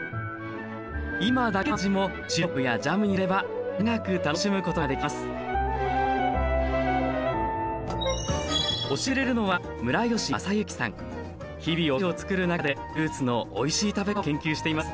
今だけの味もシロップやジャムにすれば長く楽しむことができます教えてくれるのは日々お菓子を作る中でフルーツのおいしい食べ方を研究しています